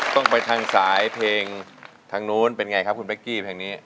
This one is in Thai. ต้องไปทางสายเพลงทางนู้นเป็นไงครับคุณเป๊กกี้เพลงนี้